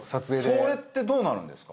それってどうなるんですか？